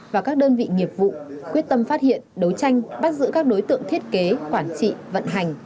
và các đơn vị nghiệp vụ quyết tâm phát hiện đấu tranh bắt giữ các đối tượng thiết kế quản trị vận hành